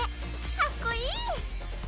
かっこいい！